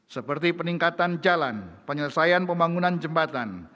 seperti peningkatan jalan penyelesaian pembangunan jembatan